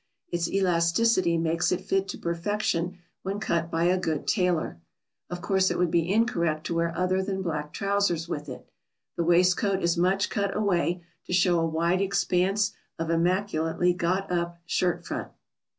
Its elasticity makes it fit to perfection when cut by a good tailor. Of course it would be incorrect to wear other than black trousers with it. The waistcoat is much cut away, to show a wide expanse of immaculately got up shirt front.